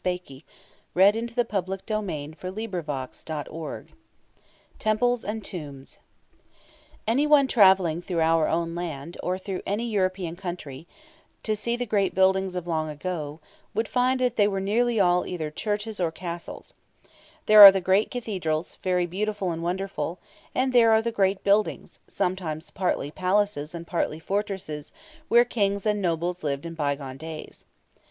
CHAPTER XII TEMPLES AND TOMBS Anyone travelling through our own land, or through any European country, to see the great buildings of long ago, would find that they were nearly all either churches or castles. There are the great cathedrals, very beautiful and wonderful; and there are the great buildings, sometimes partly palaces and partly fortresses, where Kings and nobles lived in bygone days.